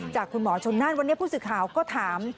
คุณหมอชนนั่นวันนี้ผู้สื่อข่าวก็ถาม